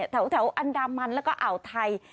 แถวอันดามันแล้วก็อ่าวไทย